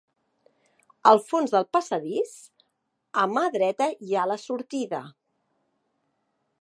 Al fons del passadís, a mà dreta hi ha la sortida.